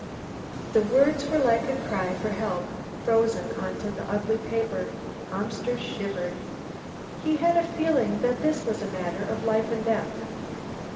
The words were like a cry for help, frozen on to the ugly paper. Amster shivered; he had a feeling that this was a matter of life and death.